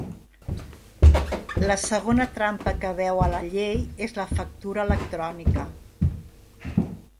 La segona trampa que veu a la llei és la factura electrònica.